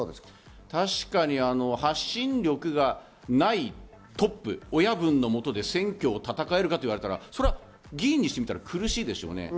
確かに発信力がないトップ、親分のもとで選挙を戦えるかといったら、議員にしてみたら苦しいですよね。